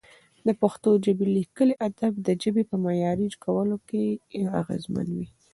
د پښتو ژبې لیکلي ادب د ژبې په معیاري کولو کې اغېزمن و.